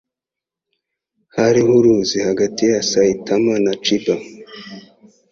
Hariho uruzi hagati ya Saitama na Chiba.